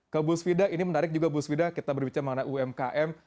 ke bu svida ini menarik juga bu svida kita berbicara mengenai umkm